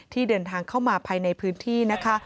เดินทางเข้ามาภายในพื้นที่นะคะ